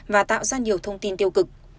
và tạo ra nhiều thông tin tiêu cực